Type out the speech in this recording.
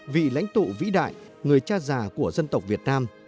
vị lãnh tụ vĩ đại người cha già của dân tộc việt nam